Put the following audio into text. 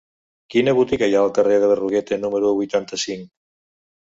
Quina botiga hi ha al carrer de Berruguete número vuitanta-cinc?